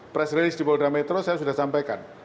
press release di polda metro saya sudah sampaikan